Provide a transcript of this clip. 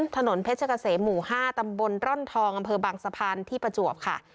ถนนเพชรเกษมหมู่๕ตำบลร่อนทองอำเภอบางสะพานที่ประจวบค่ะ